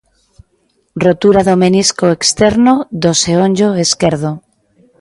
Rotura do menisco externo do xeonllo esquerdo.